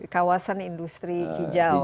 kawasan industri hijau